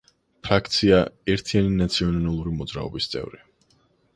ფრაქცია „ერთიანი ნაციონალური მოძრაობის“ წევრი.